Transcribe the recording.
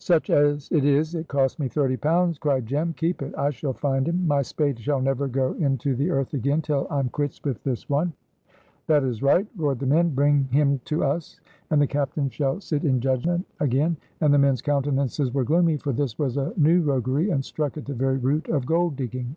"Such as it is it cost me thirty pounds," cried Jem. "Keep it. I shall find him. My spade shall never go into the earth again till I'm quits with this one." "That is right," roared the men, "bring him to us, and the captain shall sit in judgment again;" and the men's countenances were gloomy, for this was a new roguery and struck at the very root of gold digging.